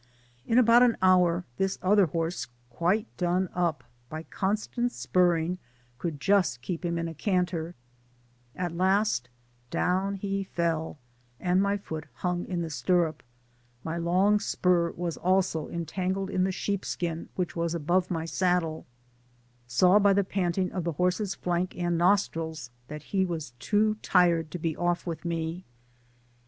In about an hour this other horse quite done up — ^by constant spurring could just keep him in a canter — ^at last down he fell, imd my fdot hung in the stirrup — ^my long spur Digitized byGoogk THE PAMPAS* 75 was also entangled in the sheep skin which was above my saddle — saw by the panting of the horse's flank and nostrils that he was too tired to be off with me.